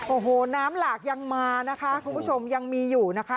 โอ้โหน้ำหลากยังมานะคะคุณผู้ชมยังมีอยู่นะคะ